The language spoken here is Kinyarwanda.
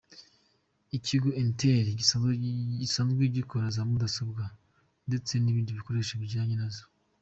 Ikigo Intel, gisanzwe gikora za mudasobwa ndetse n’ibindi bikoresho bijyanye na zo.